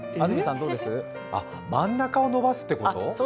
真ん中を伸ばすってこと？